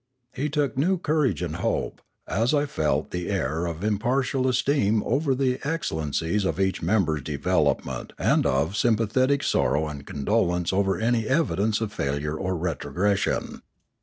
I took new courage and hope, as I felt the air of im partial esteem over the excellencies of each member's development and of sympathetic sorrow and condolence over any evidence of failure or retrogression.